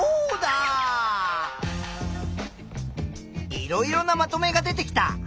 いろいろなまとめが出てきた！